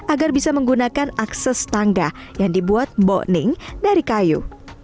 agar bisa menggunakan akses tangga yang dibuat mbokning dari kayu